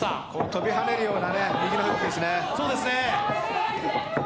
跳びはねるような右のフックですね。